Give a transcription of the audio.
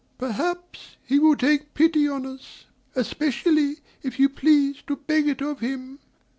Perhaps he will take pity on us, especially if you please to beg it of him."